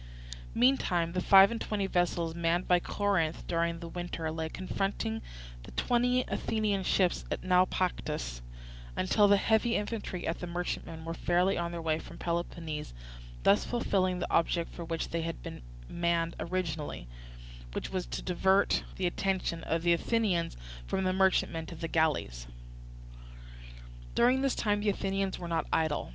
Meantime the five and twenty vessels manned by Corinth during the winter lay confronting the twenty Athenian ships at Naupactus until the heavy infantry in the merchantmen were fairly on their way from Peloponnese; thus fulfilling the object for which they had been manned originally, which was to divert the attention of the Athenians from the merchantmen to the galleys. During this time the Athenians were not idle.